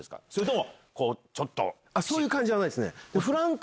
そういう感じじゃないですね。